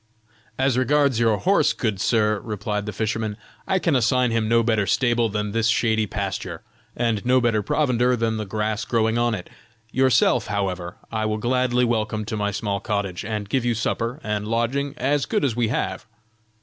"As regards your horse, good sir," replied the fisherman. "I can assign him no better stable than this shady pasture, and no better provender than the grass growing on it. Yourself, however, I will gladly welcome to my small cottage, and give you supper and lodging as good as we have."